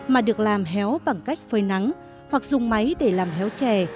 mà được làm héo bằng cách phơi nắng hoặc dùng máy để làm héo trè